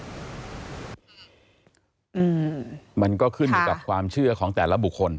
มันก็ขึ้นอยู่กับความเชื่อของแต่ละบุคคล